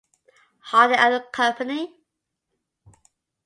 Harding and Company.